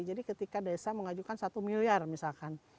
jadi ketika desa mengajukan satu miliar misalkan